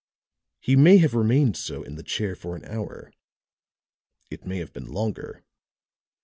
He may have remained so in the chair for an hour; it may have been longer.